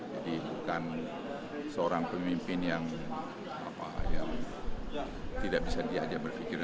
jadi bukan seorang pemimpin yang tidak bisa diajak berpikir